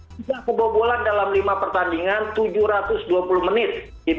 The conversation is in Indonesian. tidak kebobolan dalam lima pertandingan tujuh ratus dua puluh menit